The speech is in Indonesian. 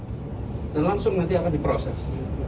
tutup kantornya dan langsung nanti akan diproses